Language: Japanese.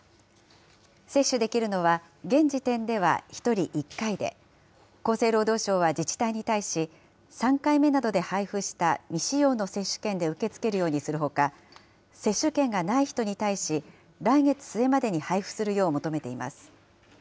接種できるのは、現時点では１人１回で、厚生労働省は自治体に対し、３回目などで配布した未使用の接種券で受け付けるようにするほか、接種券がない人に対し、来月末までに配布するよう求めています。